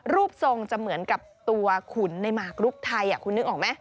รูปทรงจะเหมือนกับตัวขุนในหมากรุกไทยคุณนึกออกไหม